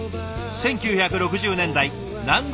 １９６０年代南国